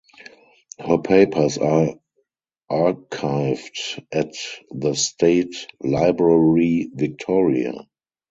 Her papers are archived at the State Library Victoria.